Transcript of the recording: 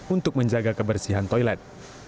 untuk menjaga kebersihan toilet